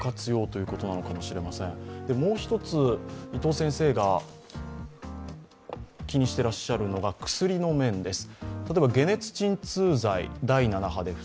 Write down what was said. もう一つ、伊藤先生が気にしていらっしゃるのが薬の面です。